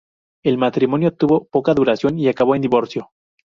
El matrimonio tuvo poca duración, y acabó en divorcio.